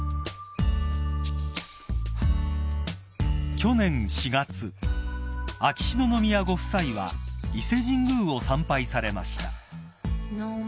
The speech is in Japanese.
［去年４月秋篠宮ご夫妻は伊勢神宮を参拝されました］